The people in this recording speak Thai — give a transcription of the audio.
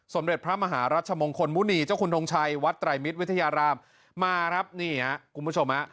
สมเด็จพระมหารัชมงคลมูนีเจ้าคุณทงชัยวัดไตรมิตรวิทยาราม